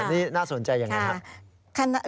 นี่น่าสนใจอย่างนั้นครับ